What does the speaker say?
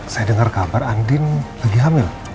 saya dengar kabar andin lagi hamil